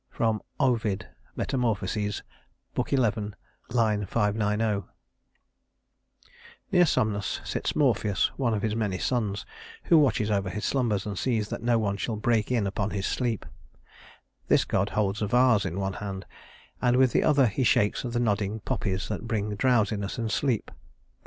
" Near Somnus sits Morpheus, one of his many sons, who watches over his slumbers and sees that no one shall break in upon his sleep. This god holds a vase in one hand, and with the other he shakes the nodding poppies that bring drowsiness and sleep.